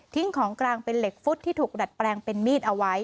ของกลางเป็นเหล็กฟุตที่ถูกดัดแปลงเป็นมีดเอาไว้